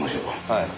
はい。